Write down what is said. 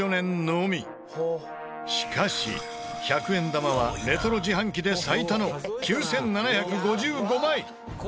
しかし１００円玉はレトロ自販機で最多の９７５５枚！